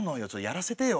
やらせてよ。